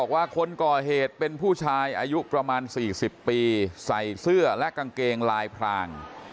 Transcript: ว่าคนก่อเหตุเป็นผู้ชายอายุประมาณ๔๐ปีใส่เสื้อและกางเกงลายพราง